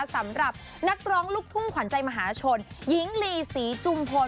สำหรับนักร้องลูกทุ่งขวัญใจมหาชนหญิงลีศรีจุมพล